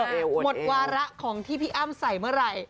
หมดวาระของที่พี่อ้ำใส่เมื่อไหร่